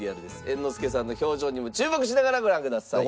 猿之助さんの表情にも注目しながらご覧ください。